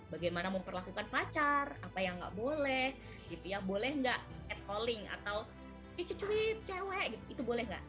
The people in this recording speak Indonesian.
bagaimana memperlakukan pacar apa yang nggak boleh boleh nggak catcalling atau cuci cuit cewek itu boleh nggak